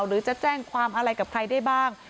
หรือจะแจ้งความอะไรกับใครได้บ้าง